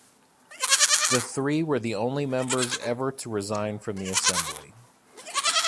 The three were the only members ever to resign from the Assembly.